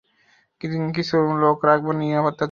কিছু লোক রাখবেন, নিরাপত্তার জন্য।